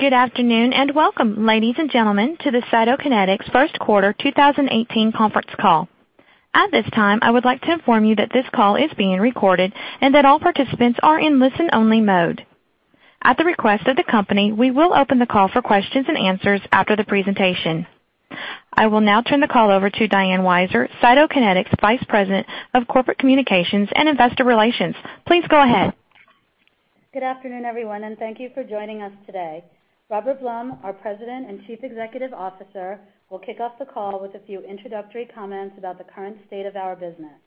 Good afternoon, welcome, ladies and gentlemen, to the Cytokinetics Q1 2018 conference call. At this time, I would like to inform you that this call is being recorded and that all participants are in listen-only mode. At the request of the company, we will open the call for questions and answers after the presentation. I will now turn the call over to Diane Weiser, Cytokinetics Vice President of Corporate Communications and Investor Relations. Please go ahead. Good afternoon, everyone, thank you for joining us today. Robert Blum, our President and Chief Executive Officer, will kick off the call with a few introductory comments about the current state of our business.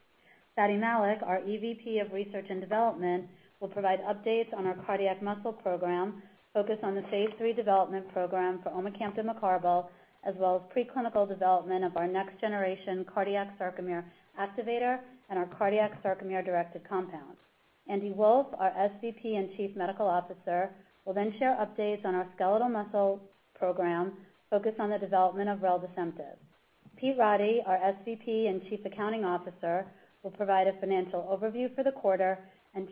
Fady Malik, our EVP of Research and Development, will provide updates on our cardiac muscle program, focused on the phase III development program for omecamtiv mecarbil, as well as preclinical development of our next-generation cardiac sarcomere activator and our cardiac sarcomere-directed compound. Andy Wolff, our SVP and Chief Medical Officer, will share updates on our skeletal muscle program focused on the development of reldesemtiv. Pete Roddy, our SVP and Chief Accounting Officer, will provide a financial overview for the quarter,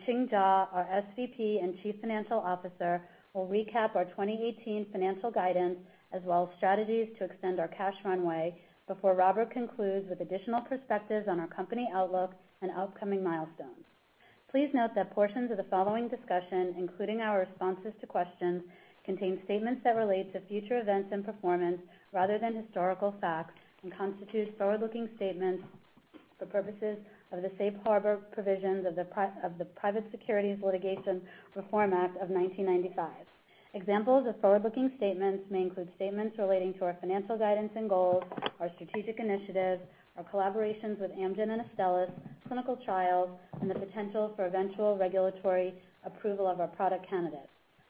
Ching Jaw, our SVP and Chief Financial Officer, will recap our 2018 financial guidance as well as strategies to extend our cash runway before Robert concludes with additional perspectives on our company outlook and upcoming milestones. Please note that portions of the following discussion, including our responses to questions, contain statements that relate to future events and performance rather than historical facts and constitute forward-looking statements for purposes of the safe harbor provisions of the Private Securities Litigation Reform Act of 1995. Examples of forward-looking statements may include statements relating to our financial guidance and goals, our strategic initiatives, our collaborations with Amgen and Astellas, clinical trials, and the potential for eventual regulatory approval of our product candidates.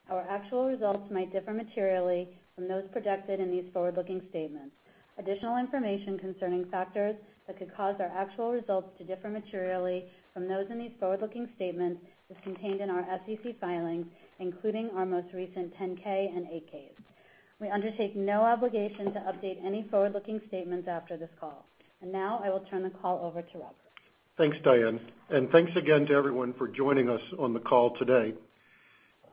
Our actual results might differ materially from those projected in these forward-looking statements. Additional information concerning factors that could cause our actual results to differ materially from those in these forward-looking statements is contained in our SEC filings, including our most recent 10-K and 8-Ks. We undertake no obligation to update any forward-looking statements after this call. Now, I will turn the call over to Robert. Thanks, Diane. Thanks again to everyone for joining us on the call today.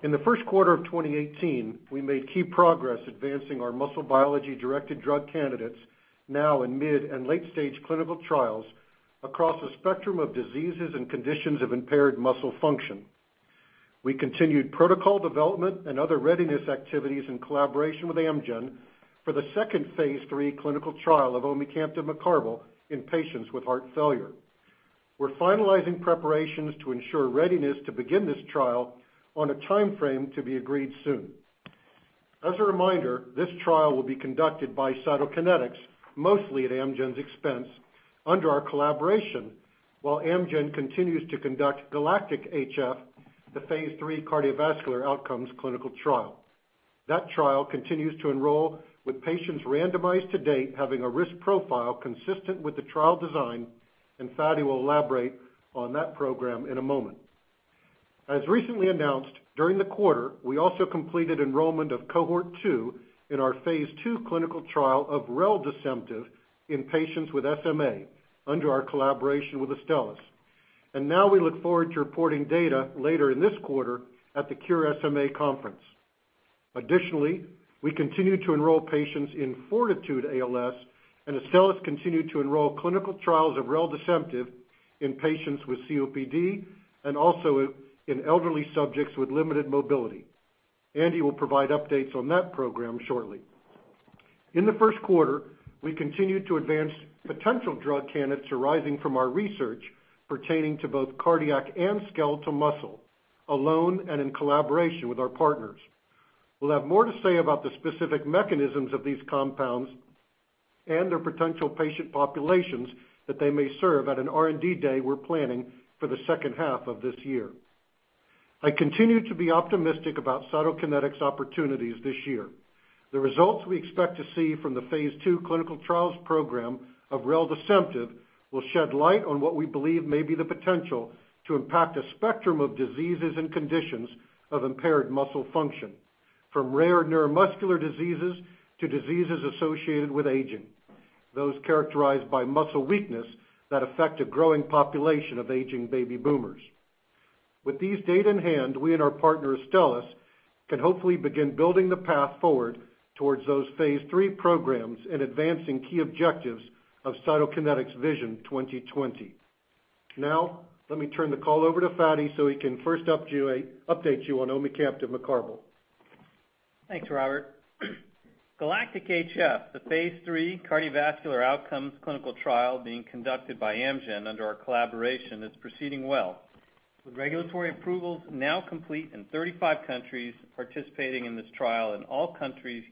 In the first quarter of 2018, we made key progress advancing our muscle biology-directed drug candidates now in mid- and late-stage clinical trials across a spectrum of diseases and conditions of impaired muscle function. We continued protocol development and other readiness activities in collaboration with Amgen for the second phase III clinical trial of omecamtiv mecarbil in patients with heart failure. We are finalizing preparations to ensure readiness to begin this trial on a timeframe to be agreed soon. As a reminder, this trial will be conducted by Cytokinetics, mostly at Amgen's expense, under our collaboration, while Amgen continues to conduct GALACTIC-HF, the phase III cardiovascular outcomes clinical trial. That trial continues to enroll with patients randomized to date having a risk profile consistent with the trial design. Fady will elaborate on that program in a moment. As recently announced, during the quarter, we also completed enrollment of cohort 2 in our phase II clinical trial of reldesemtiv in patients with SMA under our collaboration with Astellas. Now we look forward to reporting data later in this quarter at the Cure SMA conference. Additionally, we continue to enroll patients in FORTITUDE-ALS, and Astellas continue to enroll clinical trials of reldesemtiv in patients with COPD and also in elderly subjects with limited mobility. Andy will provide updates on that program shortly. In the first quarter, we continued to advance potential drug candidates arising from our research pertaining to both cardiac and skeletal muscle, alone and in collaboration with our partners. We will have more to say about the specific mechanisms of these compounds and their potential patient populations that they may serve at an R&D day we are planning for the second half of this year. I continue to be optimistic about Cytokinetics opportunities this year. The results we expect to see from the phase II clinical trials program of reldesemtiv will shed light on what we believe may be the potential to impact a spectrum of diseases and conditions of impaired muscle function, from rare neuromuscular diseases to diseases associated with aging, those characterized by muscle weakness that affect a growing population of aging baby boomers. With these data in hand, we and our partner, Astellas, can hopefully begin building the path forward towards those phase III programs and advancing key objectives of Cytokinetics Vision 2020. Let me turn the call over to Fady so he can first update you on omecamtiv mecarbil. Thanks, Robert. GALACTIC-HF, the phase III cardiovascular outcomes clinical trial being conducted by Amgen under our collaboration, is proceeding well, with regulatory approvals now complete in 35 countries participating in this trial and all countries,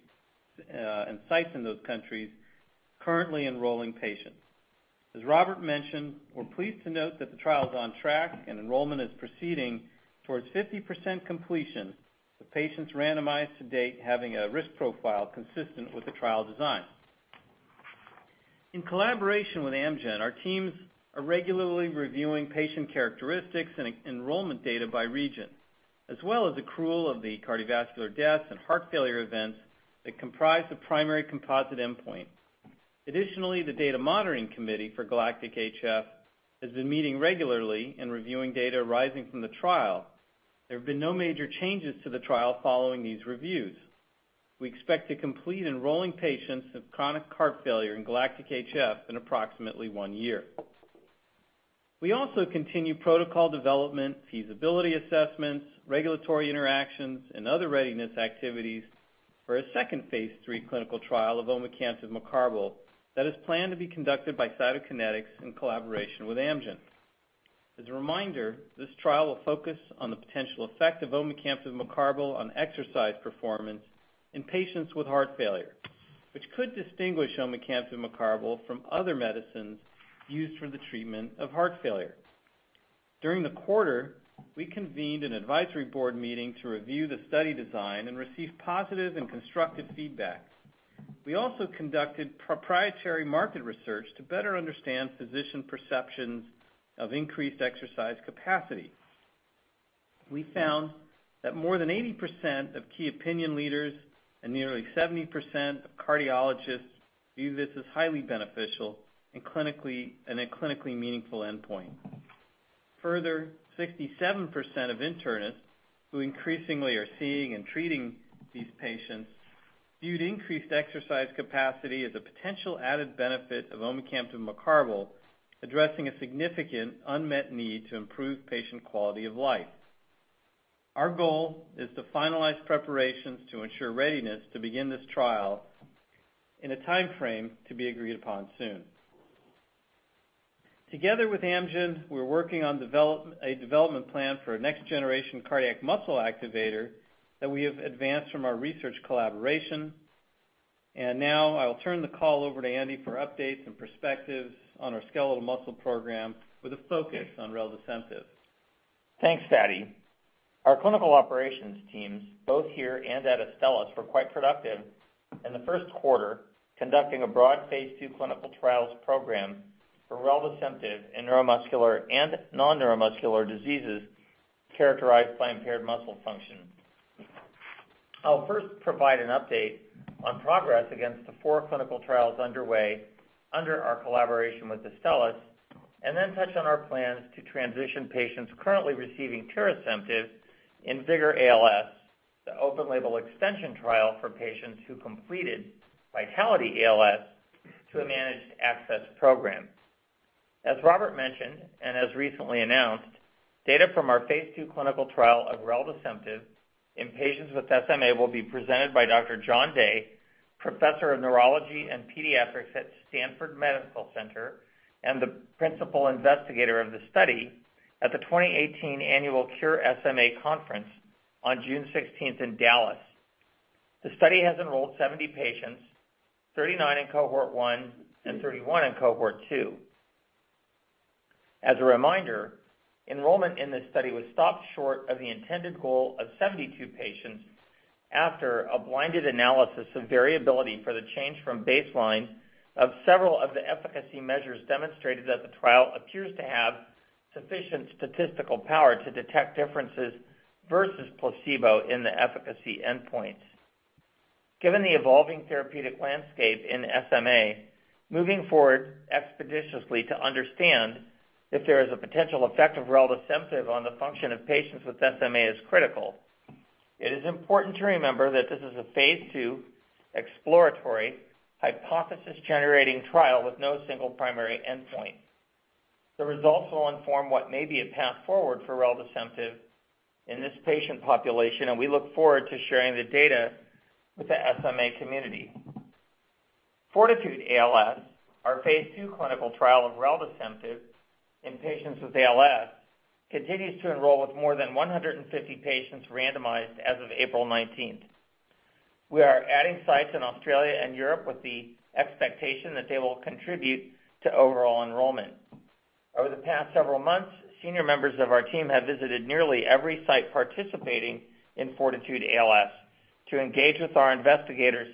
and sites in those countries currently enrolling patients. As Robert mentioned, we're pleased to note that the trial is on track and enrollment is proceeding towards 50% completion, with patients randomized to date having a risk profile consistent with the trial design. In collaboration with Amgen, our teams are regularly reviewing patient characteristics and enrollment data by region, as well as accrual of the cardiovascular deaths and heart failure events that comprise the primary composite endpoint. Additionally, the data monitoring committee for GALACTIC-HF has been meeting regularly and reviewing data arising from the trial. There have been no major changes to the trial following these reviews. We expect to complete enrolling patients with chronic heart failure in GALACTIC-HF in approximately one year. We also continue protocol development, feasibility assessments, regulatory interactions, and other readiness activities for a second phase III clinical trial of omecamtiv mecarbil that is planned to be conducted by Cytokinetics in collaboration with Amgen. As a reminder, this trial will focus on the potential effect of omecamtiv mecarbil on exercise performance in patients with heart failure, which could distinguish omecamtiv mecarbil from other medicines used for the treatment of heart failure. During the quarter, we convened an advisory board meeting to review the study design and received positive and constructive feedback. We also conducted proprietary market research to better understand physician perceptions of increased exercise capacity. We found that more than 80% of key opinion leaders and nearly 70% of cardiologists view this as highly beneficial and a clinically meaningful endpoint. 67% of internists, who increasingly are seeing and treating these patients, viewed increased exercise capacity as a potential added benefit of omecamtiv mecarbil, addressing a significant unmet need to improve patient quality of life. Our goal is to finalize preparations to ensure readiness to begin this trial in a timeframe to be agreed upon soon. Together with Amgen, we're working on a development plan for a next-generation cardiac muscle activator that we have advanced from our research collaboration. Now I will turn the call over to Andy for updates and perspectives on our skeletal muscle program with a focus on reldesemtiv. Thanks, Fady. Our clinical operations teams, both here and at Astellas, were quite productive in the first quarter, conducting a broad phase II clinical trials program for reldesemtiv in neuromuscular and non-neuromuscular diseases characterized by impaired muscle function. I'll first provide an update on progress against the four clinical trials underway under our collaboration with Astellas, and then touch on our plans to transition patients currently receiving tirasemtiv in VIGOR-ALS, the open-label extension trial for patients who completed VITALITY-ALS to a managed access program. As Robert mentioned and as recently announced, data from our phase II clinical trial of reldesemtiv in patients with SMA will be presented by Dr. John Day, Professor of Neurology and Pediatrics at Stanford Medical Center, and the principal investigator of the study at the 2018 annual Cure SMA Conference on June 16th in Dallas. The study has enrolled 70 patients, 39 in Cohort 1 and 31 in Cohort 2. As a reminder, enrollment in this study was stopped short of the intended goal of 72 patients after a blinded analysis of variability for the change from baseline of several of the efficacy measures demonstrated that the trial appears to have sufficient statistical power to detect differences versus placebo in the efficacy endpoints. Given the evolving therapeutic landscape in SMA, moving forward expeditiously to understand if there is a potential effect of reldesemtiv on the function of patients with SMA is critical. It is important to remember that this is a phase II exploratory hypothesis-generating trial with no single primary endpoint. The results will inform what may be a path forward for reldesemtiv in this patient population, and we look forward to sharing the data with the SMA community. FORTITUDE-ALS, our phase II clinical trial of reldesemtiv in patients with ALS, continues to enroll with more than 150 patients randomized as of April 19th. We are adding sites in Australia and Europe with the expectation that they will contribute to overall enrollment. Over the past several months, senior members of our team have visited nearly every site participating in FORTITUDE-ALS to engage with our investigators,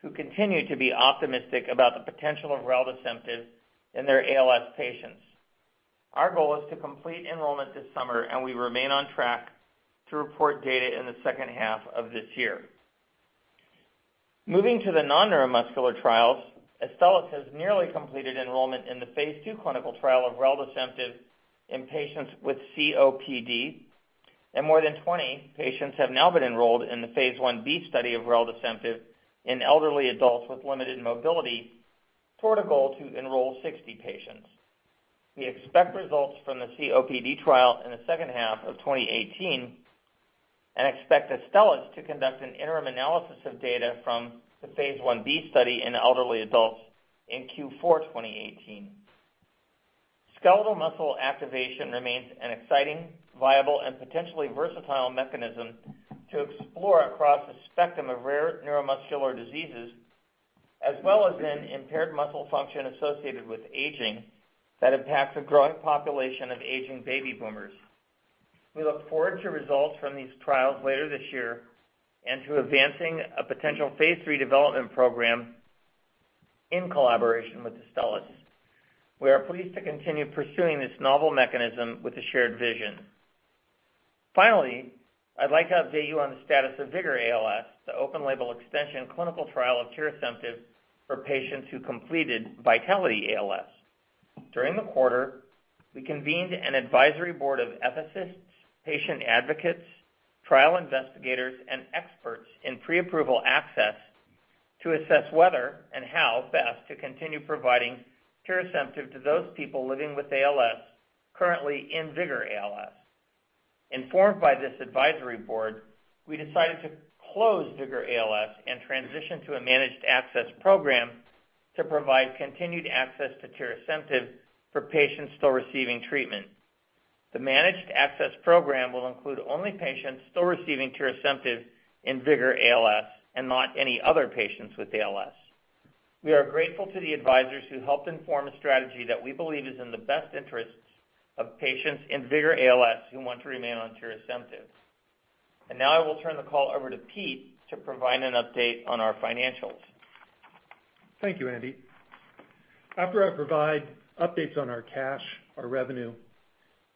who continue to be optimistic about the potential of reldesemtiv in their ALS patients. Our goal is to complete enrollment this summer, and we remain on track to report data in the second half of this year. Moving to the non-neuromuscular trials, Astellas has nearly completed enrollment in the phase II clinical trial of reldesemtiv in patients with COPD. More than 20 patients have now been enrolled in the phase I-B study of reldesemtiv in elderly adults with limited mobility, toward a goal to enroll 60 patients. We expect results from the COPD trial in the second half of 2018 and expect Astellas to conduct an interim analysis of data from the phase I-B study in elderly adults in Q4 2018. Skeletal muscle activation remains an exciting, viable, and potentially versatile mechanism to explore across a spectrum of rare neuromuscular diseases, as well as in impaired muscle function associated with aging that impacts a growing population of aging baby boomers. We look forward to results from these trials later this year and to advancing a potential phase III development program in collaboration with Astellas. We are pleased to continue pursuing this novel mechanism with a shared vision. Finally, I'd like to update you on the status of VIGOR-ALS, the open-label extension clinical trial of tirasemtiv for patients who completed VITALITY-ALS. During the quarter, we convened an advisory board of ethicists, patient advocates, trial investigators, and experts in pre-approval access to assess whether and how best to continue providing tirasemtiv to those people living with ALS currently in VIGOR-ALS. Informed by this advisory board, we decided to close VIGOR-ALS and transition to a managed access program to provide continued access to tirasemtiv for patients still receiving treatment. The managed access program will include only patients still receiving tirasemtiv in VIGOR-ALS and not any other patients with ALS. We are grateful to the advisors who helped inform a strategy that we believe is in the best interests of patients in VIGOR-ALS who want to remain on tirasemtiv. I will turn the call over to Pete to provide an update on our financials. Thank you, Andy. After I provide updates on our cash, our revenue,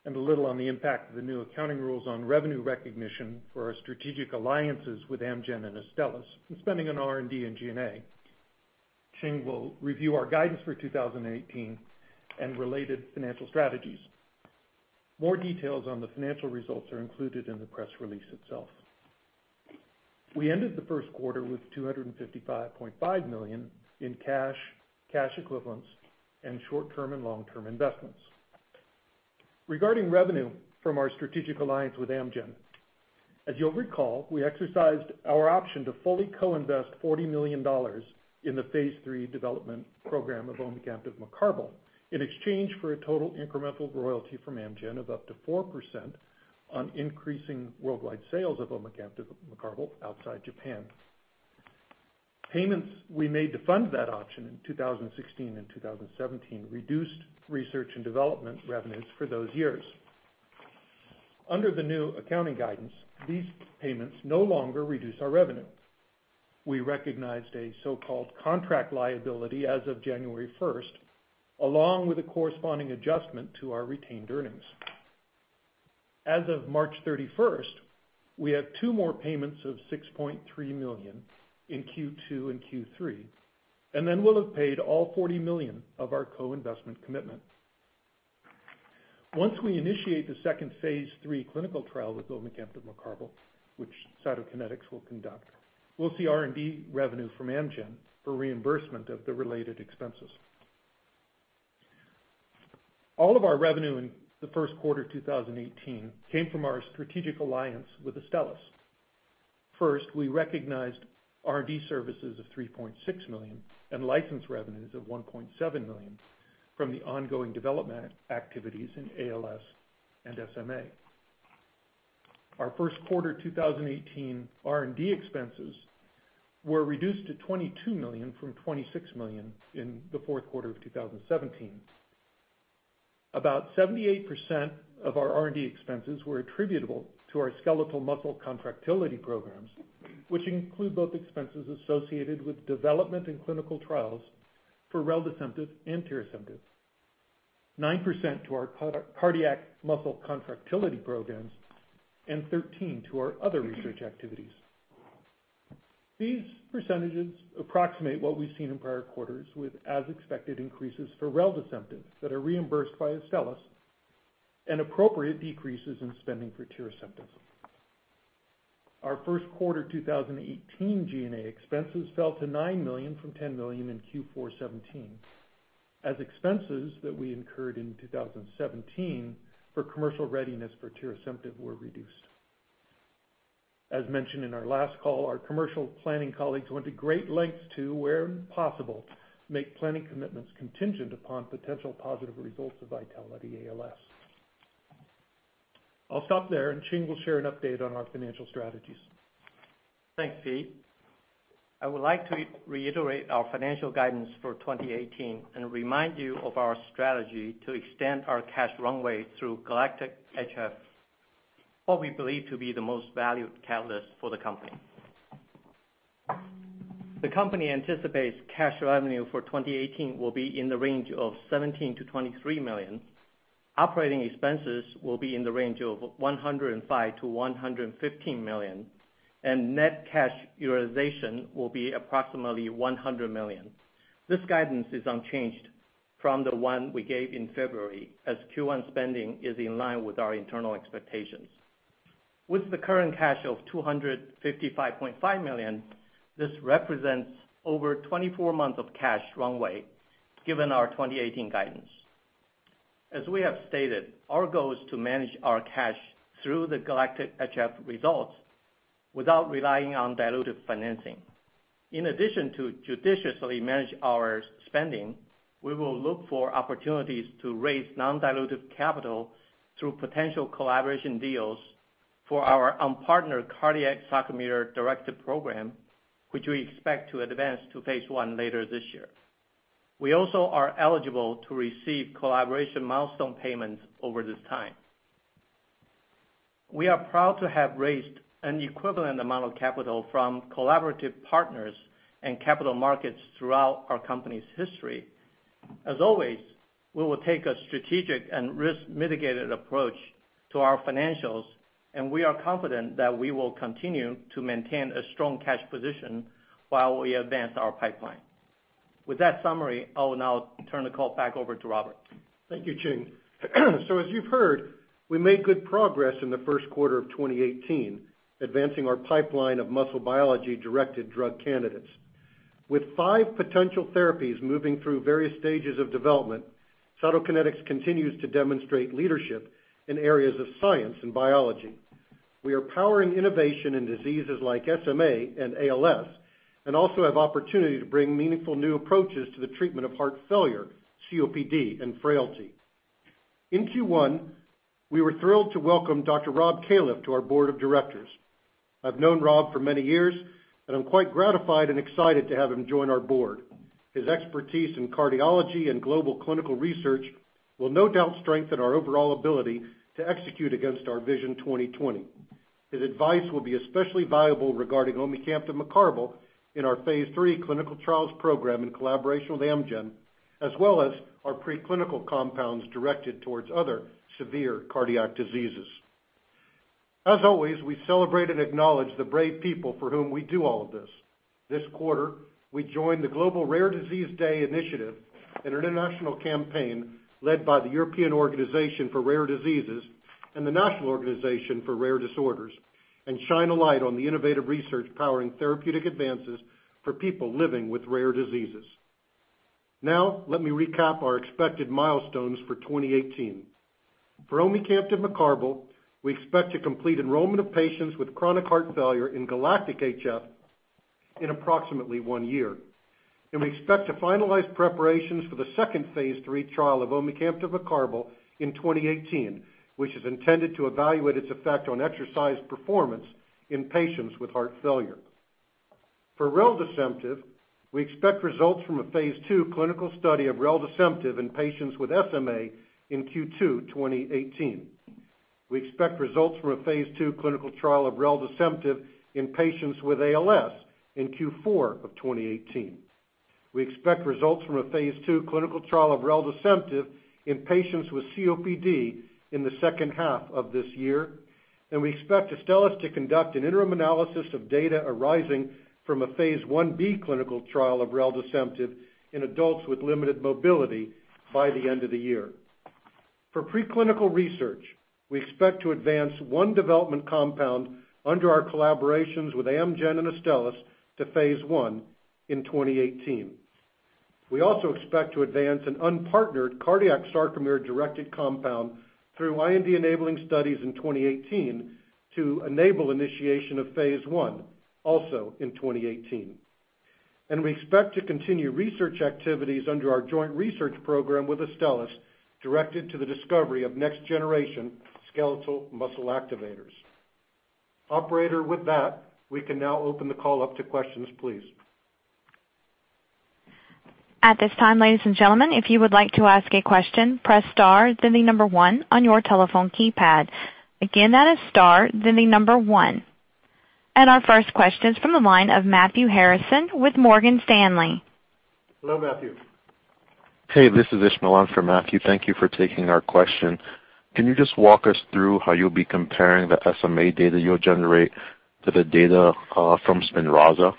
and a little on the impact of the new accounting rules on revenue recognition for our strategic alliances with Amgen and Astellas, and spending on R&D and G&A, Ching will review our guidance for 2018 and related financial strategies. More details on the financial results are included in the press release itself. We ended the first quarter with $255.5 million in cash equivalents, and short-term and long-term investments. Regarding revenue from our strategic alliance with Amgen, as you'll recall, we exercised our option to fully co-invest $40 million in the phase III development program of omecamtiv mecarbil in exchange for a total incremental royalty from Amgen of up to 4% on increasing worldwide sales of omecamtiv mecarbil outside Japan. Payments we made to fund that option in 2016 and 2017 reduced research and development revenues for those years. Under the new accounting guidance, these payments no longer reduce our revenue. We recognized a so-called contract liability as of January 1st, along with a corresponding adjustment to our retained earnings. As of March 31st, we have two more payments of $6.3 million in Q2 and Q3, and then we'll have paid all $40 million of our co-investment commitment. Once we initiate the second phase III clinical trial with omecamtiv mecarbil, which Cytokinetics will conduct, we'll see R&D revenue from Amgen for reimbursement of the related expenses. All of our revenue in the first quarter 2018 came from our strategic alliance with Astellas. First, we recognized R&D services of $3.6 million and license revenues of $1.7 million from the ongoing development activities in ALS and SMA. Our first quarter 2018 R&D expenses were reduced to $22 million from $26 million in the fourth quarter of 2017. About 78% of our R&D expenses were attributable to our skeletal muscle contractility programs, which include both expenses associated with development and clinical trials for reldesemtiv and tirasemtiv, 9% to our cardiac muscle contractility programs, and 13% to our other research activities. These percentages approximate what we've seen in prior quarters with as-expected increases for reldesemtiv that are reimbursed by Astellas and appropriate decreases in spending for tirasemtiv. Our first quarter 2018 G&A expenses fell to $9 million from $10 million in Q4 2017 as expenses that we incurred in 2017 for commercial readiness for tirasemtiv were reduced. As mentioned in our last call, our commercial planning colleagues went to great lengths to, where possible, make planning commitments contingent upon potential positive results of VITALITY-ALS. I'll stop there. Ching will share an update on our financial strategies. Thanks, Pete. I would like to reiterate our financial guidance for 2018, remind you of our strategy to extend our cash runway through GALACTIC-HF, what we believe to be the most valued catalyst for the company. The company anticipates cash revenue for 2018 will be in the range of $17 million-$23 million. Operating expenses will be in the range of $105 million-$115 million. Net cash utilization will be approximately $100 million. This guidance is unchanged from the one we gave in February. Q1 spending is in line with our internal expectations. With the current cash of $255.5 million, this represents over 24 months of cash runway given our 2018 guidance. We have stated, our goal is to manage our cash through the GALACTIC-HF results without relying on dilutive financing. In addition to judiciously manage our spending, we will look for opportunities to raise non-dilutive capital through potential collaboration deals for our unpartnered cardiac sarcomere-directed program, which we expect to advance to phase I later this year. We also are eligible to receive collaboration milestone payments over this time. We are proud to have raised an equivalent amount of capital from collaborative partners and capital markets throughout our company's history. Always, we will take a strategic and risk-mitigated approach to our financials. We are confident that we will continue to maintain a strong cash position while we advance our pipeline. That summary, I will now turn the call back over to Robert. Thank you, Ching. As you've heard, we made good progress in the first quarter of 2018, advancing our pipeline of muscle biology-directed drug candidates. With five potential therapies moving through various stages of development, Cytokinetics continues to demonstrate leadership in areas of science and biology. We are powering innovation in diseases like SMA and ALS, also have opportunity to bring meaningful new approaches to the treatment of heart failure, COPD, and frailty. In Q1, we were thrilled to welcome Dr. Rob Califf to our board of directors. I've known Rob for many years. I'm quite gratified and excited to have him join our board. His expertise in cardiology and global clinical research will no doubt strengthen our overall ability to execute against our Vision 2020. His advice will be especially valuable regarding omecamtiv mecarbil in our phase III clinical trials program in collaboration with Amgen, as well as our preclinical compounds directed towards other severe cardiac diseases. As always, we celebrate and acknowledge the brave people for whom we do all of this. This quarter, we joined the Global Rare Disease Day initiative, an international campaign led by the European Organization for Rare Diseases and the National Organization for Rare Disorders, and shine a light on the innovative research powering therapeutic advances for people living with rare diseases. Let me recap our expected milestones for 2018. For omecamtiv mecarbil, we expect to complete enrollment of patients with chronic heart failure in GALACTIC-HF in approximately one year. We expect to finalize preparations for the second phase III trial of omecamtiv mecarbil in 2018, which is intended to evaluate its effect on exercise performance in patients with heart failure. For reldesemtiv, we expect results from a phase II clinical study of reldesemtiv in patients with SMA in Q2 2018. We expect results from a phase II clinical trial of reldesemtiv in patients with ALS in Q4 of 2018. We expect results from a phase II clinical trial of reldesemtiv in patients with COPD in the second half of this year. We expect Astellas to conduct an interim analysis of data arising from a phase I-B clinical trial of reldesemtiv in adults with limited mobility by the end of the year. For preclinical research, we expect to advance one development compound under our collaborations with Amgen and Astellas to phase I in 2018. We also expect to advance an unpartnered cardiac sarcomere-directed compound through IND-enabling studies in 2018 to enable initiation of phase I, also in 2018. We expect to continue research activities under our joint research program with Astellas, directed to the discovery of next-generation skeletal muscle activators. Operator, with that, we can now open the call up to questions, please. At this time, ladies and gentlemen, if you would like to ask a question, press star then the number 1 on your telephone keypad. Again, that is star, then the number 1. Our first question is from the line of Matthew Harrison with Morgan Stanley. Hello, Matthew. Hey, this is Ishmail on for Matthew. Thank you for taking our question. Can you just walk us through how you'll be comparing the SMA data you'll generate to the data from SPINRAZA?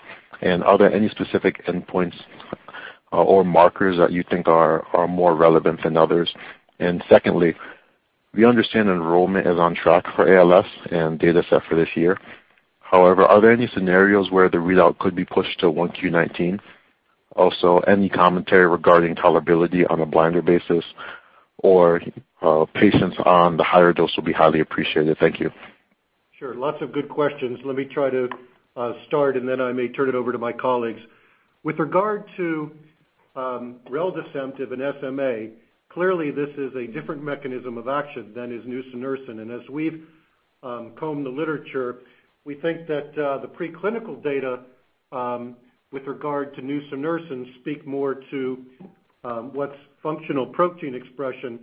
Are there any specific endpoints or markers that you think are more relevant than others? Secondly, we understand enrollment is on track for ALS and data set for this year. However, are there any scenarios where the readout could be pushed to 1Q 2019? Also, any commentary regarding tolerability on a blinded basis or patients on the higher dose will be highly appreciated. Thank you. Sure. Lots of good questions. Let me try to start, then I may turn it over to my colleagues. With regard to reldesemtiv and SMA, clearly this is a different mechanism of action than is nusinersen. As we've combed the literature, we think that the preclinical data with regard to nusinersen speak more to what's functional protein expression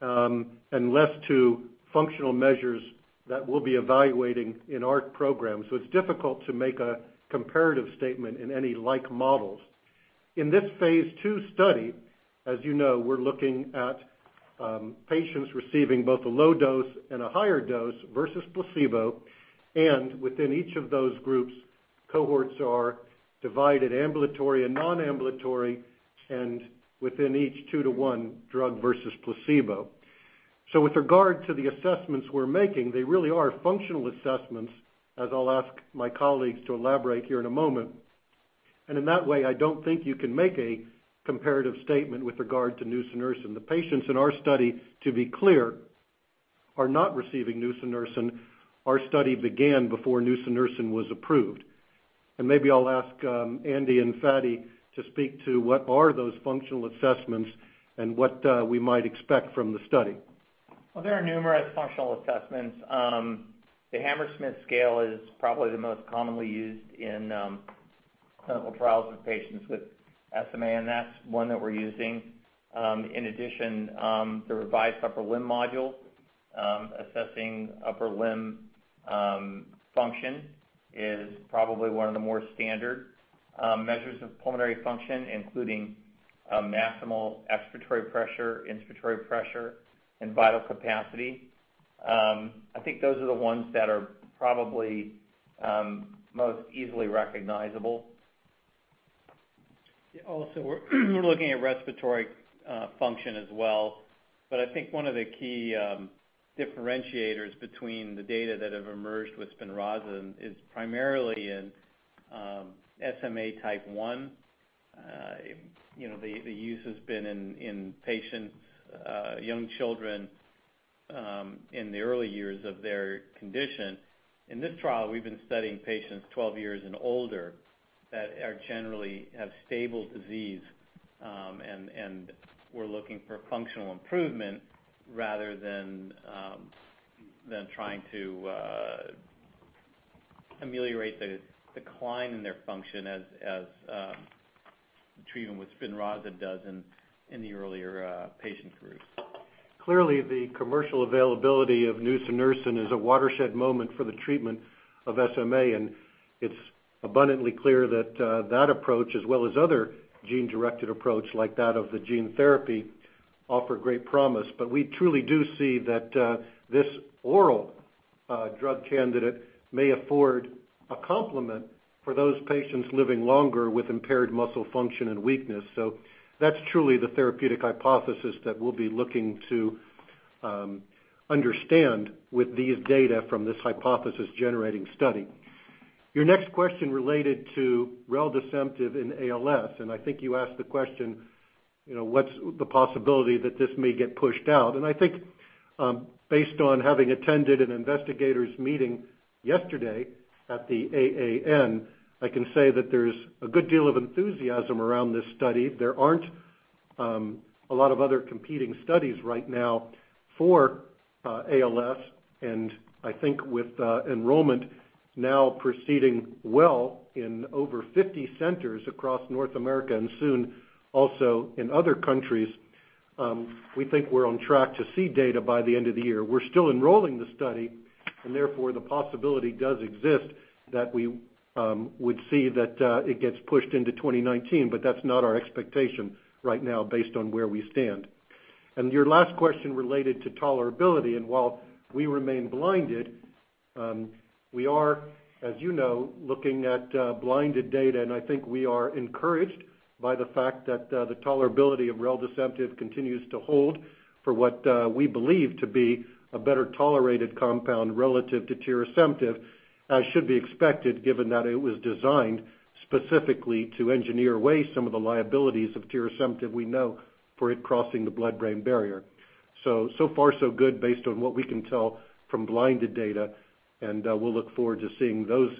and less to functional measures that we'll be evaluating in our program. It's difficult to make a comparative statement in any like models. In this phase II study, as you know, we're looking at patients receiving both a low dose and a higher dose versus placebo, and within each of those groups, cohorts are divided ambulatory and non-ambulatory, and within each 2 to 1 drug versus placebo. With regard to the assessments we're making, they really are functional assessments, as I'll ask my colleagues to elaborate here in a moment. In that way, I don't think you can make a comparative statement with regard to nusinersen. The patients in our study, to be clear, are not receiving nusinersen. Our study began before nusinersen was approved. Maybe I'll ask Andy and Fady to speak to what are those functional assessments and what we might expect from the study. Well, there are numerous functional assessments. The Hammersmith scale is probably the most commonly used in clinical trials with patients with SMA, and that's one that we're using. In addition, the Revised Upper Limb Module Assessing upper limb function is probably one of the more standard measures of pulmonary function, including maximal expiratory pressure, inspiratory pressure, and vital capacity. I think those are the ones that are probably most easily recognizable. Yeah. Also, we're looking at respiratory function as well. I think one of the key differentiators between the data that have emerged with SPINRAZA is primarily in SMA type 1. The use has been in patients, young children, in the early years of their condition. In this trial, we've been studying patients 12 years and older that generally have stable disease. We're looking for functional improvement rather than trying to ameliorate the decline in their function as the treatment with SPINRAZA does in the earlier patient groups. Clearly, the commercial availability of nusinersen is a watershed moment for the treatment of SMA, and it's abundantly clear that that approach, as well as other gene-directed approach like that of the gene therapy, offer great promise. We truly do see that this oral drug candidate may afford a complement for those patients living longer with impaired muscle function and weakness. That's truly the therapeutic hypothesis that we'll be looking to understand with these data from this hypothesis-generating study. Your next question related to reldesemtiv in ALS, I think you asked the question, what's the possibility that this may get pushed out? I think, based on having attended an investigators meeting yesterday at the AAN, I can say that there's a good deal of enthusiasm around this study. There aren't a lot of other competing studies right now for ALS. I think with enrollment now proceeding well in over 50 centers across North America and soon also in other countries, we think we're on track to see data by the end of the year. We're still enrolling the study. Therefore, the possibility does exist that we would see that it gets pushed into 2019. That's not our expectation right now based on where we stand. Your last question related to tolerability. While we remain blinded, we are, as you know, looking at blinded data. I think we are encouraged by the fact that the tolerability of reldesemtiv continues to hold for what we believe to be a better-tolerated compound relative to tirasemtiv, as should be expected given that it was designed specifically to engineer away some of the liabilities of tirasemtiv we know for it crossing the blood-brain barrier. So far so good based on what we can tell from blinded data. We'll look forward to seeing those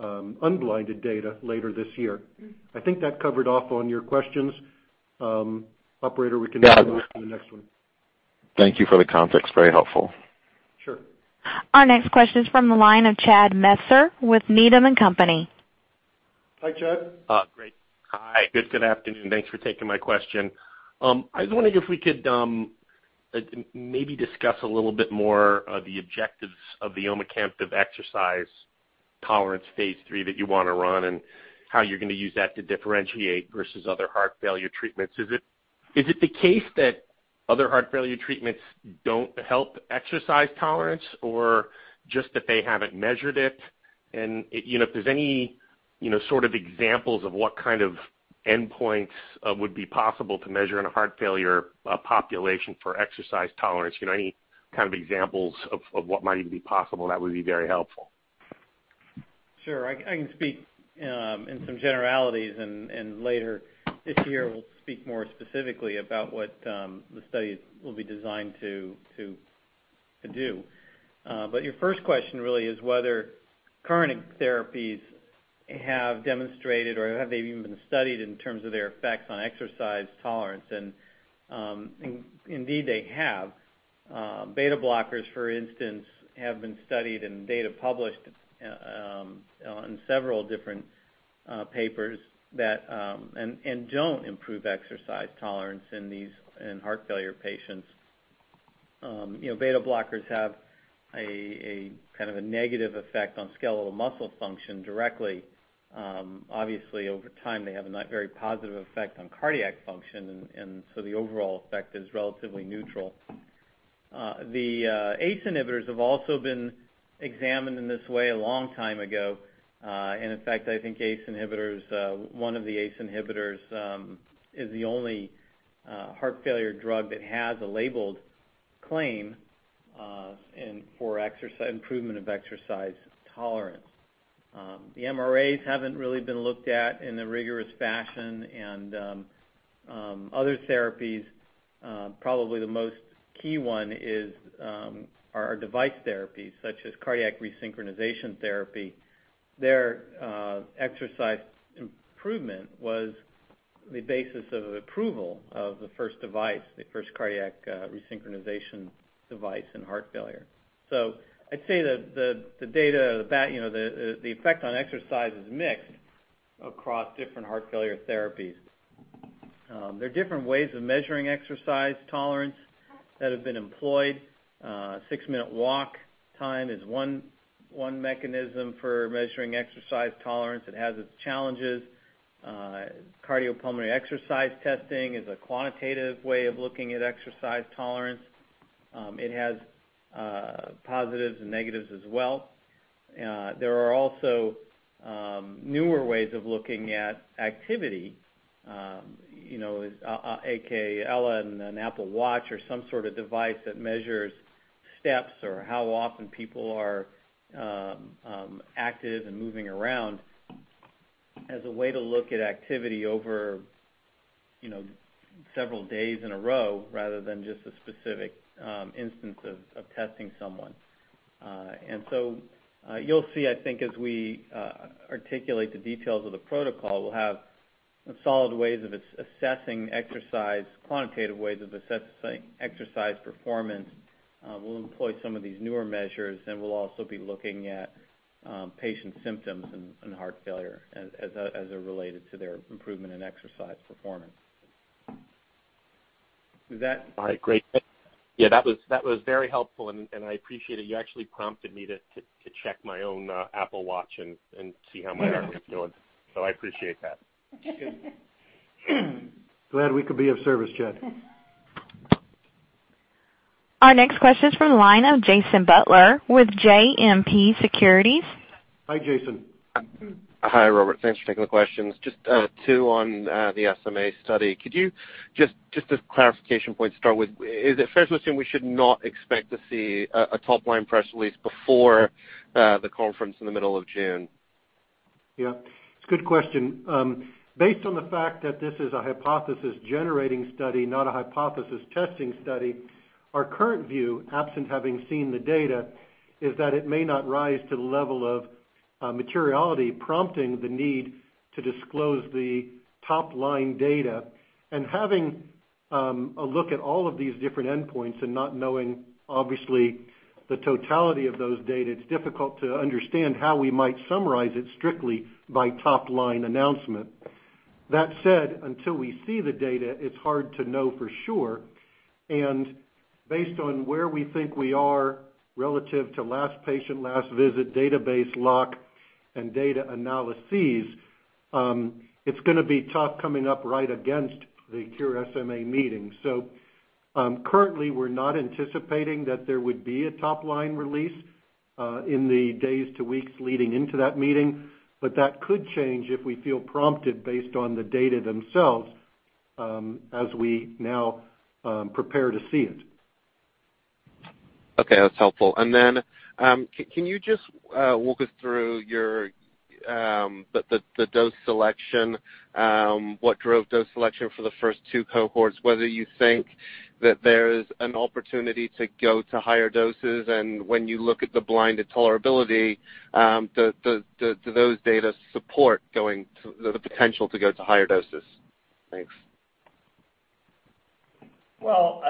unblinded data later this year. I think that covered off on your questions. Operator, we can move on to the next one. Thank you for the context. Very helpful. Sure. Our next question is from the line of Chad Messer with Needham & Company. Hi, Chad. Great. Hi. Good afternoon. Thanks for taking my question. I was wondering if we could maybe discuss a little bit more the objectives of the omecamtiv exercise tolerance phase III that you want to run and how you're going to use that to differentiate versus other heart failure treatments. Is it the case that other heart failure treatments don't help exercise tolerance or just that they haven't measured it? If there's any sort of examples of what kind of endpoints would be possible to measure in a heart failure population for exercise tolerance, any kind of examples of what might even be possible, that would be very helpful. Sure. I can speak in some generalities and later this year we'll speak more specifically about what the study will be designed to do. Your first question really is whether current therapies have demonstrated or have they even been studied in terms of their effects on exercise tolerance, and indeed they have. Beta blockers, for instance, have been studied and data published on several different papers that don't improve exercise tolerance in heart failure patients. Beta blockers have a kind of a negative effect on skeletal muscle function directly. Obviously, over time, they have a not very positive effect on cardiac function, and so the overall effect is relatively neutral. The ACE inhibitors have also been examined in this way a long time ago. In fact, I think one of the ACE inhibitors is the only heart failure drug that has a labeled claim for improvement of exercise tolerance. The MRAs haven't really been looked at in a rigorous fashion and other therapies, probably the most key one is our device therapies such as cardiac resynchronization therapy. Their exercise improvement was the basis of approval of the first device, the first cardiac resynchronization device in heart failure. I'd say that the effect on exercise is mixed across different heart failure therapies. There are different ways of measuring exercise tolerance that have been employed. Six-minute walk time is one mechanism for measuring exercise tolerance. It has its challenges. Cardiopulmonary exercise testing is a quantitative way of looking at exercise tolerance. It has positives and negatives as well. There are also newer ways of looking at activity, AKA Ella and an Apple Watch or some sort of device that measures steps or how often people are active and moving around as a way to look at activity over several days in a row rather than just a specific instance of testing someone. So you'll see, I think, as we articulate the details of the protocol, we'll have solid ways of assessing exercise, quantitative ways of assessing exercise performance. We'll employ some of these newer measures, and we'll also be looking at patient symptoms and heart failure as they're related to their improvement in exercise performance. Is that? Great. Yeah, that was very helpful, and I appreciate it. You actually prompted me to check my own Apple Watch and see how my heart was doing. I appreciate that. Sure. Glad we could be of service, Chad. Our next question is from the line of Jason Butler with JMP Securities. Hi, Jason. Hi, Robert. Thanks for taking the questions. Just two on the SMA study. Could you, just as clarification point to start with, is it fair to assume we should not expect to see a top-line press release before the conference in the middle of June? Yeah. It's a good question. Based on the fact that this is a hypothesis-generating study, not a hypothesis-testing study, our current view, absent having seen the data, is that it may not rise to the level of materiality prompting the need to disclose the top-line data. Having a look at all of these different endpoints and not knowing, obviously, the totality of those data, it's difficult to understand how we might summarize it strictly by top-line announcement. That said, until we see the data, it's hard to know for sure. Based on where we think we are relative to last patient, last visit, database lock, and data analyses, it's going to be tough coming up right against the Cure SMA meeting. Currently, we're not anticipating that there would be a top-line release in the days to weeks leading into that meeting. That could change if we feel prompted based on the data themselves as we now prepare to see it. Okay. That's helpful. Then can you just walk us through the dose selection, what drove dose selection for the first two cohorts, whether you think that there's an opportunity to go to higher doses? When you look at the blinded tolerability, do those data support the potential to go to higher doses? Thanks. Well,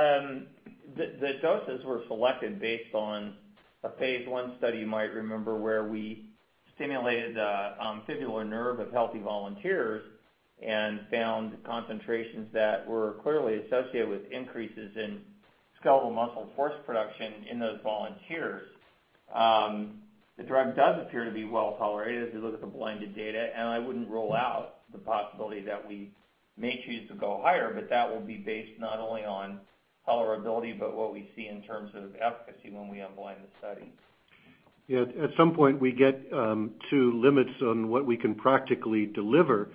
the doses were selected based on a phase I study you might remember where we stimulated the fibular nerve of healthy volunteers and found concentrations that were clearly associated with increases in skeletal muscle force production in those volunteers. The drug does appear to be well-tolerated if you look at the blinded data, I wouldn't rule out the possibility that we may choose to go higher, that will be based not only on tolerability but what we see in terms of efficacy when we unblind the study. Yeah. At some point, we get to limits on what we can practically deliver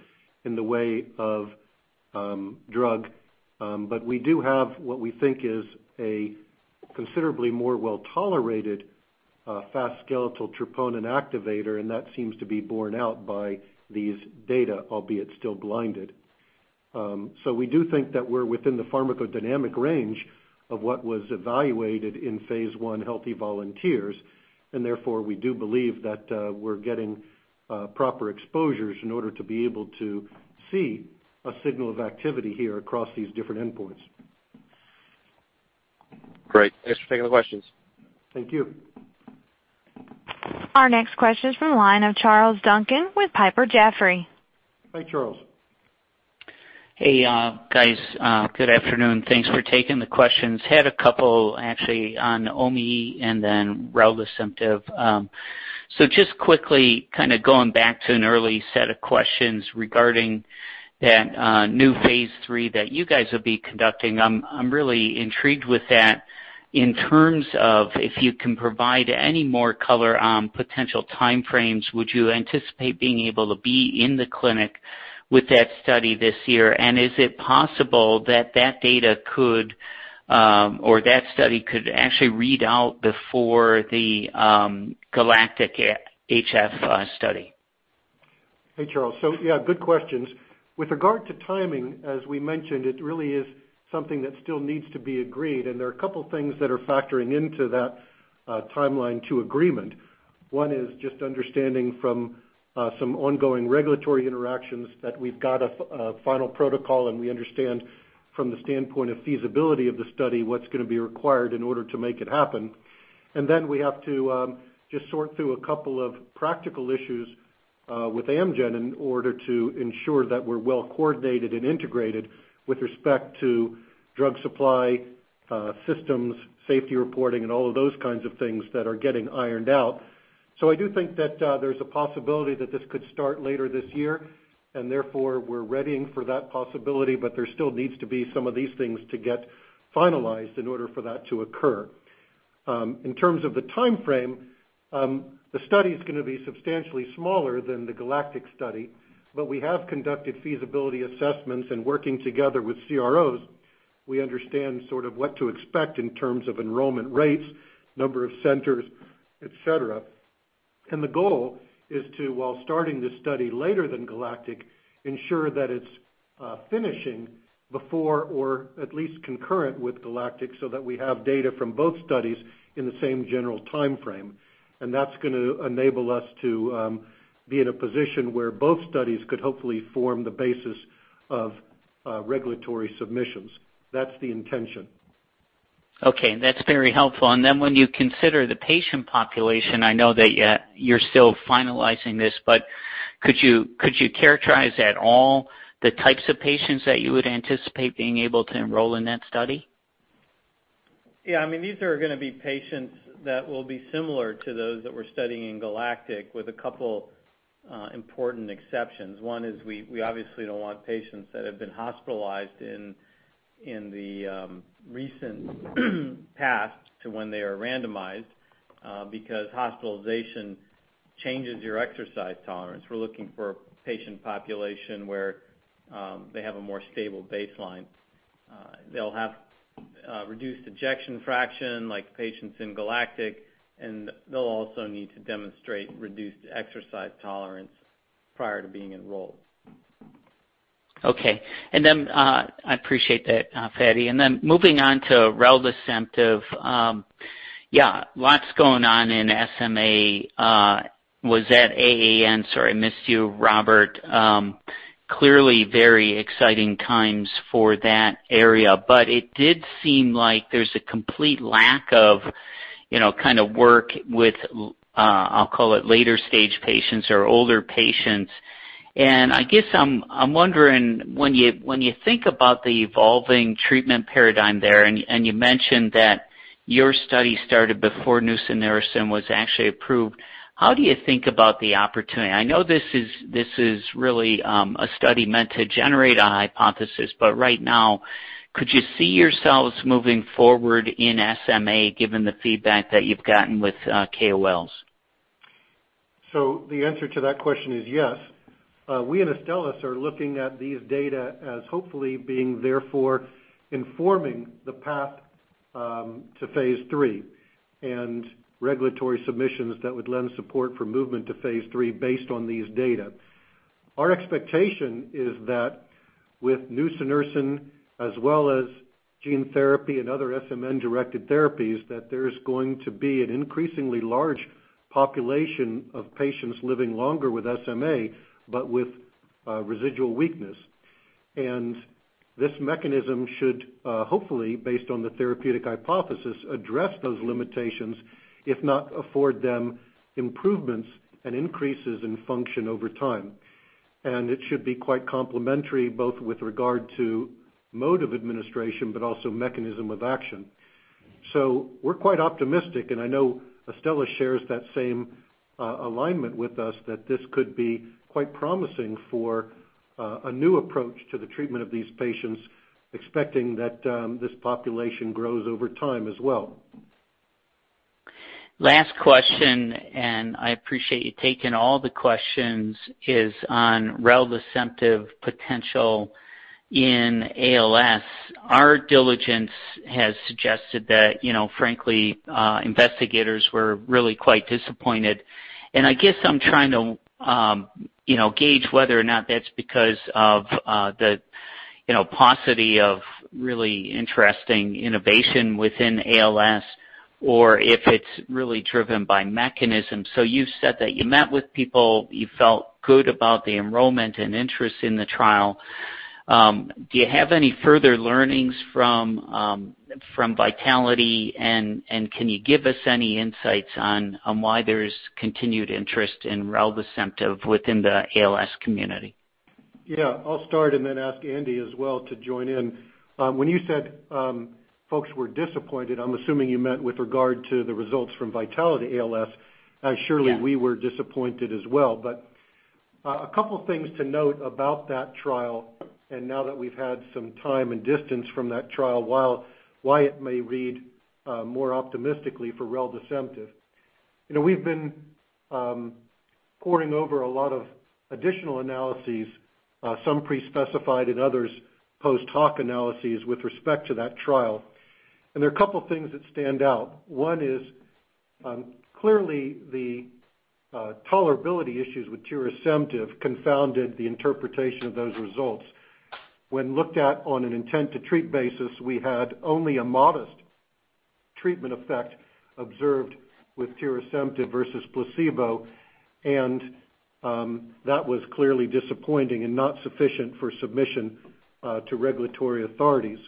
in the way of drug. We do have what we think is a considerably more well-tolerated fast skeletal troponin activator, that seems to be borne out by these data, albeit still blinded. We do think that we're within the pharmacodynamic range of what was evaluated in phase I healthy volunteers, therefore, we do believe that we're getting proper exposures in order to be able to see a signal of activity here across these different endpoints. Great. Thanks for taking the questions. Thank you. Our next question is from the line of Charles Duncan with Piper Jaffray. Hi, Charles. Hey, guys. Good afternoon. Thanks for taking the questions. Had a couple, actually, on OMG and then reldesemtiv. Just quickly kind of going back to an early set of questions regarding that new phase III that you guys will be conducting. I'm really intrigued with that in terms of if you can provide any more color on potential time frames. Would you anticipate being able to be in the clinic with that study this year? Is it possible that that data could or that study could actually read out before the GALACTIC-HF study? Hey, Charles. Yeah, good questions. With regard to timing, as we mentioned, it really is something that still needs to be agreed, and there are a couple things that are factoring into that timeline to agreement. One is just understanding from some ongoing regulatory interactions that we've got a final protocol, and we understand From the standpoint of feasibility of the study, what's going to be required in order to make it happen. Then we have to just sort through a couple of practical issues with Amgen in order to ensure that we're well coordinated and integrated with respect to drug supply, systems, safety reporting, and all of those kinds of things that are getting ironed out. I do think that there's a possibility that this could start later this year, and therefore we're readying for that possibility. There still needs to be some of these things to get finalized in order for that to occur. In terms of the timeframe, the study's going to be substantially smaller than the GALACTIC-HF study, but we have conducted feasibility assessments and working together with CROs, we understand sort of what to expect in terms of enrollment rates, number of centers, et cetera. The goal is to, while starting this study later than GALACTIC-HF, ensure that it's finishing before or at least concurrent with GALACTIC-HF so that we have data from both studies in the same general timeframe. That's going to enable us to be in a position where both studies could hopefully form the basis of regulatory submissions. That's the intention. Okay. That's very helpful. When you consider the patient population, I know that you're still finalizing this, but could you characterize at all the types of patients that you would anticipate being able to enroll in that study? Yeah, these are going to be patients that will be similar to those that we're studying in GALACTIC-HF with a couple important exceptions. One is we obviously don't want patients that have been hospitalized in the recent past to when they are randomized, because hospitalization changes your exercise tolerance. We're looking for a patient population where they have a more stable baseline. They'll have reduced ejection fraction like patients in GALACTIC-HF, and they'll also need to demonstrate reduced exercise tolerance prior to being enrolled. Okay. I appreciate that, Fady. Moving on to reldesemtiv. Yeah, lots going on in SMA. Was at AAN, sorry, I missed you, Robert. Clearly very exciting times for that area, it did seem like there's a complete lack of work with, I'll call it later-stage patients or older patients. I guess I'm wondering when you think about the evolving treatment paradigm there, and you mentioned that your study started before nusinersen was actually approved, how do you think about the opportunity? I know this is really a study meant to generate a hypothesis, but right now, could you see yourselves moving forward in SMA given the feedback that you've gotten with KOLs? The answer to that question is yes. We and Astellas are looking at these data as hopefully being therefore informing the path to phase III and regulatory submissions that would lend support for movement to phase III based on these data. Our expectation is that with nusinersen as well as gene therapy and other SMN-directed therapies, there's going to be an increasingly large population of patients living longer with SMA, but with residual weakness. This mechanism should, hopefully, based on the therapeutic hypothesis, address those limitations, if not afford them improvements and increases in function over time. It should be quite complementary, both with regard to mode of administration, but also mechanism of action. We're quite optimistic, I know Astellas shares that same alignment with us that this could be quite promising for a new approach to the treatment of these patients, expecting that this population grows over time as well. Last question, I appreciate you taking all the questions, is on reldesemtiv potential in ALS. Our diligence has suggested that frankly, investigators were really quite disappointed, I guess I'm trying to gauge whether or not that's because of the paucity of really interesting innovation within ALS or if it's really driven by mechanism. You said that you met with people, you felt good about the enrollment and interest in the trial. Can you have any further learnings from Vitality, and can you give us any insights on why there's continued interest in reldesemtiv within the ALS community? Yeah. I'll start. Then ask Andy as well to join in. When you said folks were disappointed, I'm assuming you meant with regard to the results from VITALITY-ALS. Yeah. Surely we were disappointed as well. A couple things to note about that trial, now that we've had some time and distance from that trial, while it may read more optimistically for reldesemtiv. We've been poring over a lot of additional analyses, some pre-specified and others post-hoc analyses with respect to that trial, there are a couple things that stand out. One is, clearly the tolerability issues with tirasemtiv confounded the interpretation of those results. When looked at on an intent-to-treat basis, we had only a modest treatment effect observed with tirasemtiv versus placebo, that was clearly disappointing and not sufficient for submission to regulatory authorities,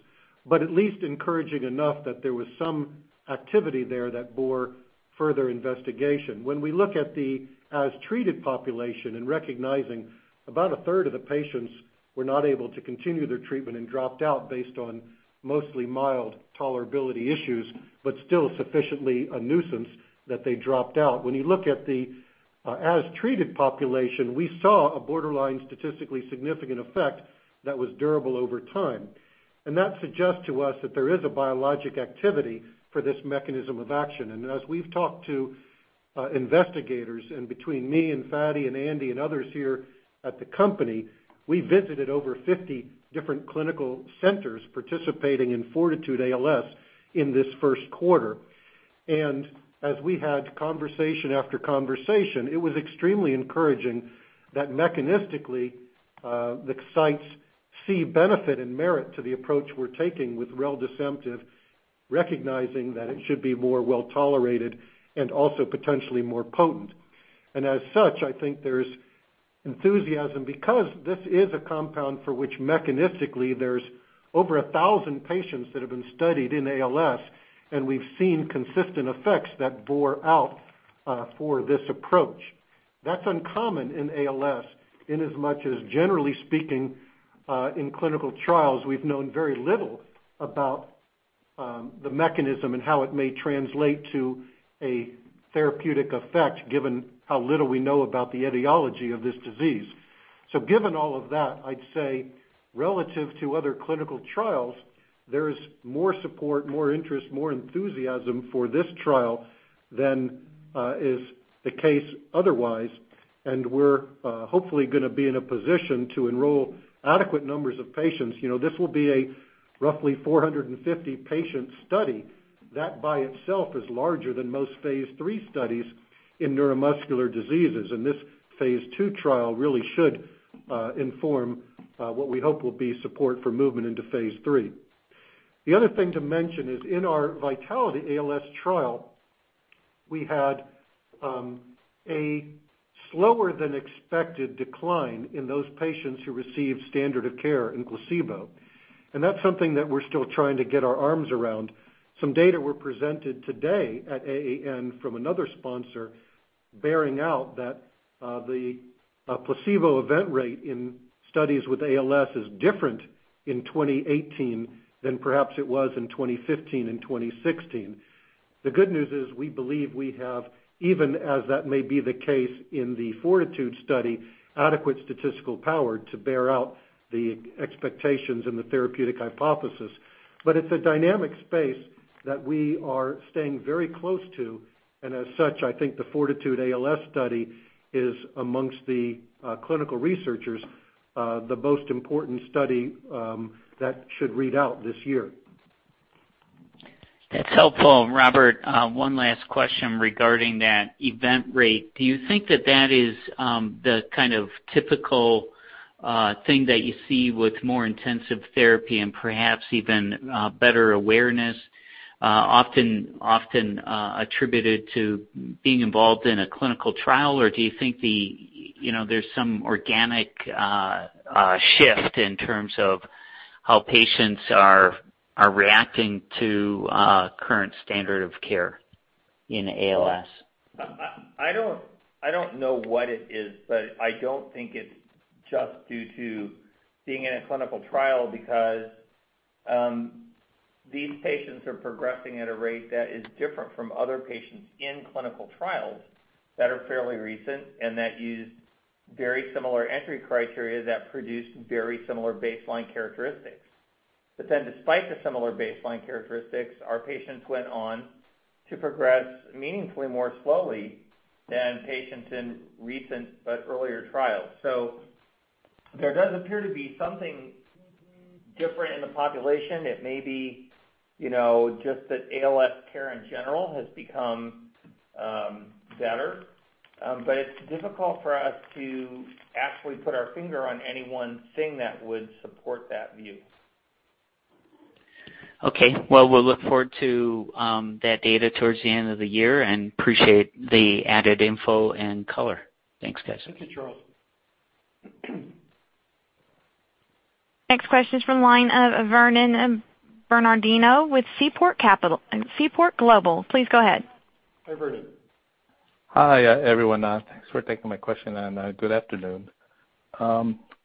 at least encouraging enough that there was some activity there that bore further investigation. When we look at the as-treated population, recognizing about a third of the patients were not able to continue their treatment and dropped out based on mostly mild tolerability issues, still sufficiently a nuisance that they dropped out. When you look at the as-treated population, we saw a borderline statistically significant effect that was durable over time. That suggests to us that there is a biologic activity for this mechanism of action. As we've talked to investigators, between me and Fady and Andy and others here at the company, we visited over 50 different clinical centers participating in FORTITUDE-ALS in this first quarter. As we had conversation after conversation, it was extremely encouraging that mechanistically, the sites see benefit and merit to the approach we're taking with reldesemtiv, recognizing that it should be more well-tolerated and also potentially more potent. As such, I think there's enthusiasm because this is a compound for which mechanistically there's over 1,000 patients that have been studied in ALS, and we've seen consistent effects that bore out for this approach. That's uncommon in ALS, in as much as generally speaking, in clinical trials, we've known very little about the mechanism and how it may translate to a therapeutic effect, given how little we know about the etiology of this disease. Given all of that, I'd say relative to other clinical trials, there's more support, more interest, more enthusiasm for this trial than is the case otherwise, and we're hopefully going to be in a position to enroll adequate numbers of patients. This will be a roughly 450-patient study. That by itself is larger than most phase III studies in neuromuscular diseases. This phase II trial really should inform what we hope will be support for movement into phase III. The other thing to mention is in our VITALITY-ALS trial, we had a slower than expected decline in those patients who received standard of care in placebo. That's something that we're still trying to get our arms around. Some data were presented today at AAN from another sponsor bearing out that the placebo event rate in studies with ALS is different in 2018 than perhaps it was in 2015 and 2016. The good news is we believe we have, even as that may be the case in the FORTITUDE study, adequate statistical power to bear out the expectations and the therapeutic hypothesis. It's a dynamic space that we are staying very close to. As such, I think the FORTITUDE-ALS study is amongst the clinical researchers, the most important study that should read out this year. That's helpful, Robert. One last question regarding that event rate. Do you think that that is the kind of typical thing that you see with more intensive therapy and perhaps even better awareness often attributed to being involved in a clinical trial? Do you think there's some organic shift in terms of how patients are reacting to current standard of care in ALS? I don't know what it is, I don't think it's just due to being in a clinical trial because these patients are progressing at a rate that is different from other patients in clinical trials that are fairly recent and that use very similar entry criteria that produce very similar baseline characteristics. Despite the similar baseline characteristics, our patients went on to progress meaningfully more slowly than patients in recent but earlier trials. There does appear to be something different in the population. It may be just that ALS care in general has become better. It's difficult for us to actually put our finger on any one thing that would support that view. Okay. We'll look forward to that data towards the end of the year and appreciate the added info and color. Thanks, guys. Thank you, Charles. Next question is from the line of Vernon Bernardino with Seaport Global. Please go ahead. Hi, Vernon. Hi, everyone. Thanks for taking my question. Good afternoon.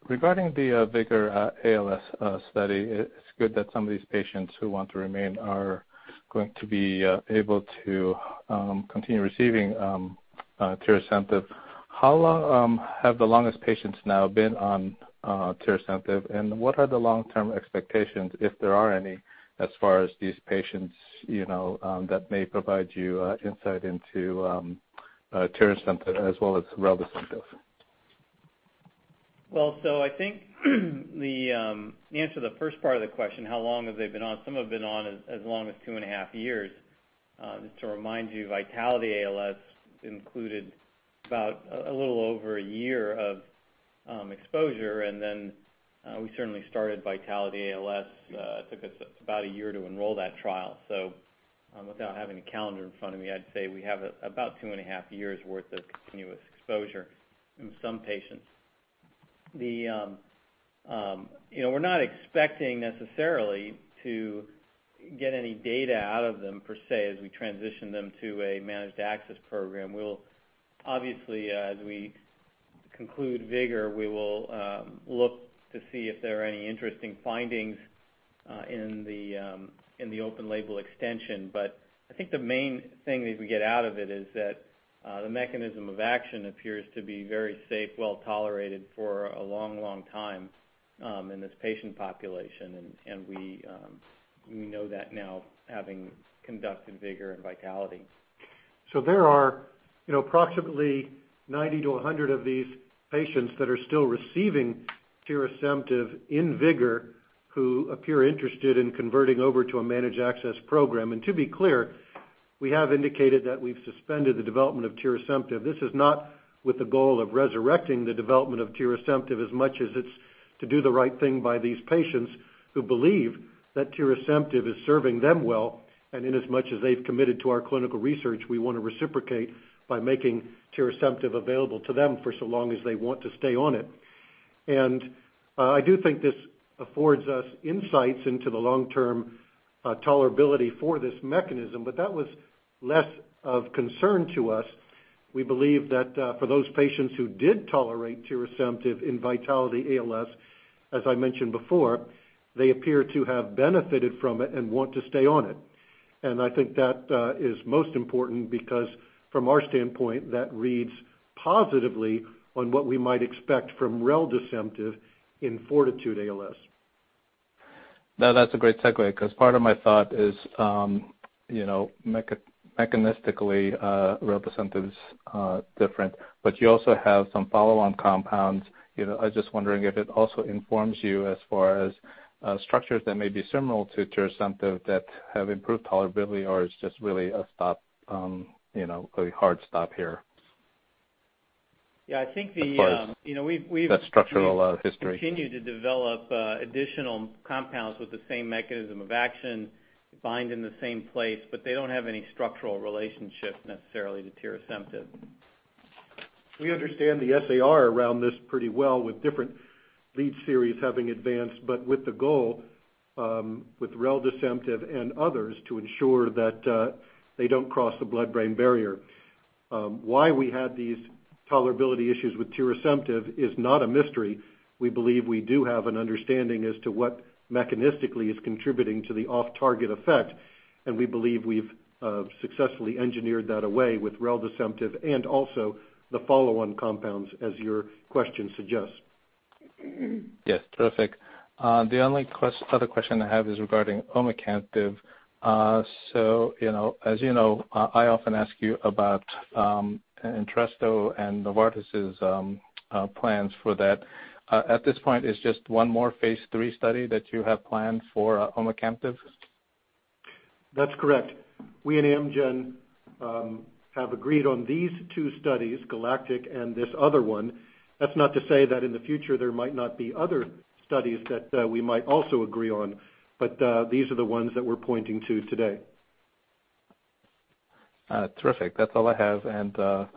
Regarding the FORTITUDE-ALS study, it's good that some of these patients who want to remain are going to be able to continue receiving tirasemtiv. How long have the longest patients now been on tirasemtiv, and what are the long-term expectations, if there are any, as far as these patients that may provide you insight into tirasemtiv as well as reldesemtiv? I think the answer to the first part of the question, how long have they been on, some have been on as long as two and a half years. Just to remind you, VITALITY-ALS included about a little over a year of Exposure, we certainly started VITALITY-ALS. It took us about a year to enroll that trial. Without having a calendar in front of me, I'd say we have about two and a half years' worth of continuous exposure in some patients. We're not expecting necessarily to get any data out of them per se, as we transition them to a managed access program. Obviously, as we conclude VIGOR, we will look to see if there are any interesting findings in the open label extension. I think the main thing that we get out of it is that the mechanism of action appears to be very safe, well-tolerated for a long time in this patient population, and we know that now having conducted VIGOR and VITALITY. There are approximately 90 to 100 of these patients that are still receiving tirasemtiv in VIGOR who appear interested in converting over to a managed access program. To be clear, we have indicated that we've suspended the development of tirasemtiv. This is not with the goal of resurrecting the development of tirasemtiv as much as it's to do the right thing by these patients who believe that tirasemtiv is serving them well. In as much as they've committed to our clinical research, we want to reciprocate by making tirasemtiv available to them for so long as they want to stay on it. I do think this affords us insights into the long-term tolerability for this mechanism, but that was less of concern to us. We believe that for those patients who did tolerate tirasemtiv in VITALITY-ALS, as I mentioned before, they appear to have benefited from it and want to stay on it. I think that is most important because from our standpoint, that reads positively on what we might expect from reldesemtiv in FORTITUDE-ALS. That's a great segue because part of my thought is mechanistically, reldesemtiv is different, you also have some follow-on compounds. I was just wondering if it also informs you as far as structures that may be similar to tirasemtiv that have improved tolerability, or it's just really a hard stop here. Yeah, I think. As far as that structural history We've continued to develop additional compounds with the same mechanism of action, bind in the same place, but they don't have any structural relationship necessarily to tirasemtiv. We understand the SAR around this pretty well with different lead series having advanced, but with the goal with reldesemtiv and others to ensure that they don't cross the blood-brain barrier. Why we had these tolerability issues with tirasemtiv is not a mystery. We believe we do have an understanding as to what mechanistically is contributing to the off-target effect, and we believe we've successfully engineered that away with reldesemtiv and also the follow-on compounds as your question suggests. Yes. Terrific. The only other question I have is regarding omecamtiv. As you know, I often ask you about ENTRESTO and Novartis' plans for that. At this point, it's just one more phase III study that you have planned for omecamtiv? That's correct. We and Amgen have agreed on these two studies, GALACTIC-HF and this other one. That's not to say that in the future, there might not be other studies that we might also agree on, but these are the ones that we're pointing to today. Terrific. That's all I have.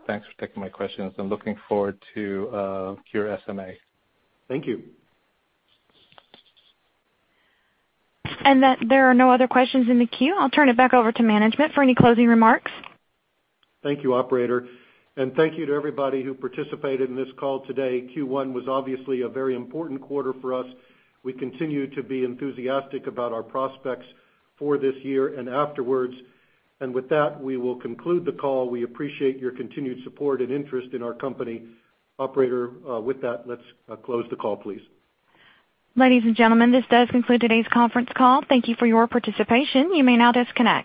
Thanks for taking my questions. I'm looking forward to Cure SMA. Thank you. That there are no other questions in the queue. I'll turn it back over to management for any closing remarks. Thank you, operator. Thank you to everybody who participated in this call today. Q1 was obviously a very important quarter for us. We continue to be enthusiastic about our prospects for this year and afterwards. With that, we will conclude the call. We appreciate your continued support and interest in our company. Operator, with that, let's close the call, please. Ladies and gentlemen, this does conclude today's conference call. Thank you for your participation. You may now disconnect.